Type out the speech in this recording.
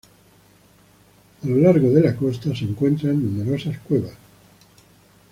A lo largo de la costa se encuentran numerosas cuevas.